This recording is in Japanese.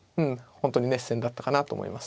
本当に熱戦だったかなと思います。